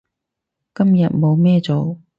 我今日冇咩嘢做